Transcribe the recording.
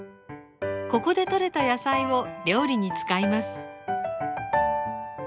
ここでとれた野菜を料理に使います。